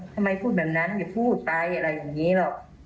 ทำไมพูดแบบนั้นอย่าพูดไปอะไรแบบนี้หรอก